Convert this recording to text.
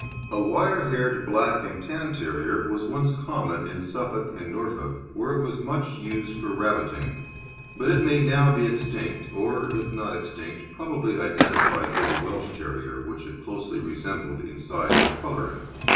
A wire haired black and tan terrier was once common in Suffolk and Norfolk, where it was much used for rabbiting, but it may now be extinct, or, if not extinct, probably identified with the Welsh Terrier, which it closely resembled in size and colouring.